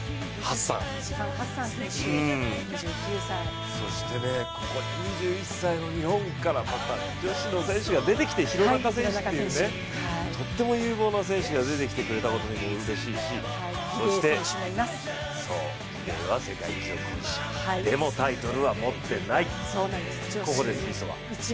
ハッサン、そして２１歳の日本から女子の選手が出てきて廣中選手っていう、とっても有望な選手が出てきてくれたこともうれしいしそして世界記録保持者、でもタイトルは持ってない、ここです、みそは。